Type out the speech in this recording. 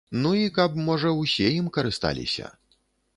Ну, і каб, можа, усе ім карысталіся.